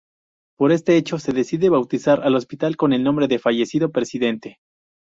Por este hecho se decide bautizar al hospital con el nombre del fallecido presidente.